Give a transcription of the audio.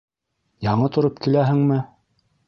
Яңы тороп киләһеңме?